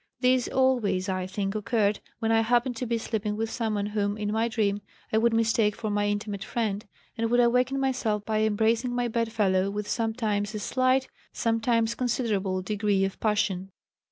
These always, I think, occurred when I happened to be sleeping with someone whom, in my dream, I would mistake for my intimate friend, and would awaken myself by embracing my bedfellow with sometimes a slight, sometimes considerable degree of passion.